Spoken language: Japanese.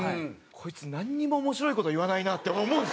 こいつなんにも面白い事言わないなって思うんですよ。